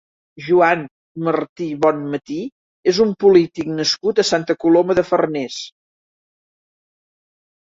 Joan Martí Bonmatí és un polític nascut a Santa Coloma de Farners.